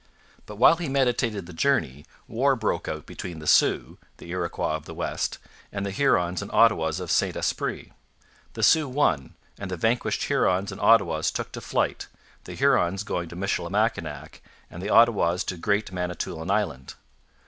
But while he meditated the journey war broke out between the Sioux the Iroquois of the west and the Hurons and Ottawas of St Esprit. The Sioux won, and the vanquished Hurons and Ottawas took to flight, the Hurons going to Michilimackinac and the Ottawas to Great Manitoulin Island.